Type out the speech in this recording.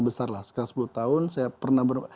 besar lah sekitar sepuluh tahun saya pernah